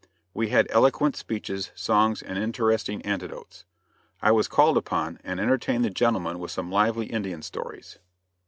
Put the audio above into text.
We had eloquent speeches, songs, and interesting anecdotes. I was called upon, and entertained the gentlemen with some lively Indian stories.